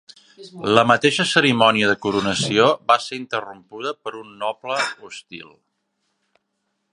La mateixa cerimònia de coronació va ser interrompuda per un noble hostil.